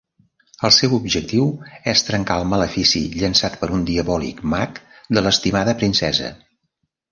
El seu objectiu és trencar el malefici llançat per un diabòlic mag de l'estimada princesa.